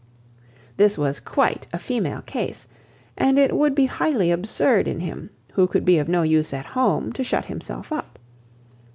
This was quite a female case, and it would be highly absurd in him, who could be of no use at home, to shut himself up.